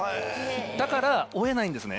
だから追えないんですね